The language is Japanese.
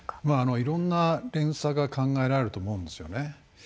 まあいろんな連鎖が考えられると思うんですよね。